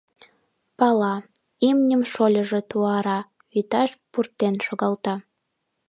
Пала: имньым шольыжо туара, вӱташ пуртен шогалта.